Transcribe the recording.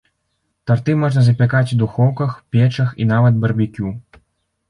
Тарты можна запякаць у духоўках, печах і нават барбекю.